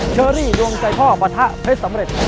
เชอรี่ดวงใจพ่อปะทะเพชรสำเร็จ